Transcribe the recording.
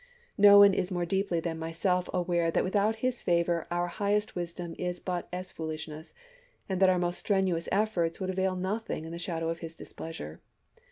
No one is more deeply than myself aware that without his favor our highest wisdom is but as foohshness, and that our most strenuous efforts would avail nothing in the shadow of his displeasure.